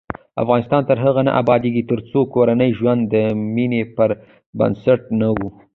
افغانستان تر هغو نه ابادیږي، ترڅو کورنی ژوند د مینې پر بنسټ نه وي.